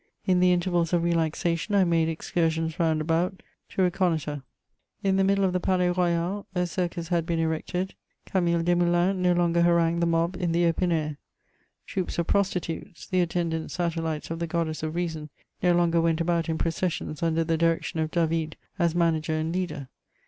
In the intervals of relaxation, I made •excursions round about to reconnoitre. In the middle of the Palais Royal a circus had been erected ; Camille Desmoulins no longer harangued the mob in the open air; troops of * prostitutes — the attendant satellites of the goddess of Reasons no longer went about in processions under the direction of David as manager and leader.